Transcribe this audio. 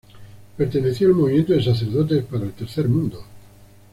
Perteneció al Movimiento de Sacerdotes para el Tercer Mundo.